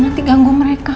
nanti ganggu mereka